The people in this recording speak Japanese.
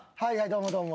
どうもどうも。